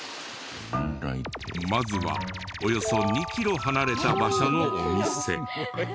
まずはおよそ２キロ離れた場所のお店。